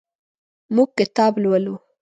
موږ کتاب لولو.